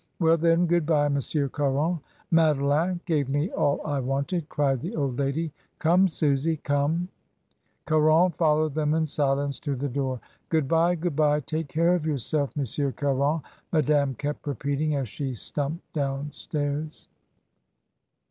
"Well, then, good bye. Monsieur Caron. Madeleine gave me all I wanted," cried the old lady. "Come, Susy, come." Caron followed them in silence to the door. "Good bye; good bye, take care of yourself , Mon sieur Caron," Madame kept repeating, as she stumped down stairs.